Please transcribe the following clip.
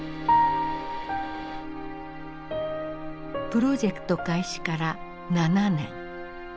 プロジェクト開始から７年。